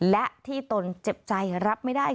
และที่ตนเจ็บใจรับไม่ได้